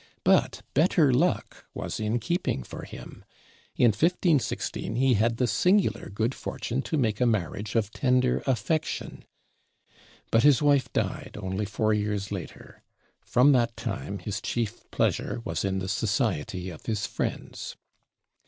But better luck was in keeping for him. In 1516 he had the singular good fortune to make a marriage of tender affection; but his wife died only four years later: from that time his chief pleasure was in the society of his friends.